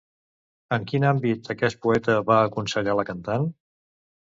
En quin àmbit aquest poeta va aconsellar la cantant?